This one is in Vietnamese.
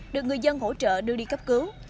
được người dân hỗ trợ đưa đi cấp cứu